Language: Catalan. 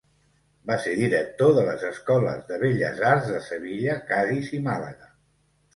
Va ser director de les Escoles de Belles Arts de Sevilla, Cadis i Màlaga.